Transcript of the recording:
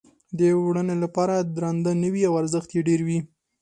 د وړنې لپاره درانده نه وي او ارزښت یې ډېر وي.